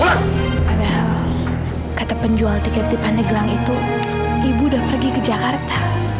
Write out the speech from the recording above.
padahal kata penjual tiket di pandeglang itu ibu udah pergi ke jakarta